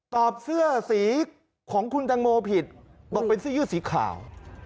เสื้อสีของคุณตังโมผิดบอกเป็นเสื้อยืดสีขาว